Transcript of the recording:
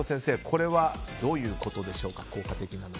これはどういうことでしょうか。